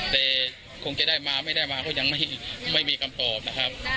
แต่คงจะได้มาไม่ได้มาก็ยังไม่มีคำตอบนะครับ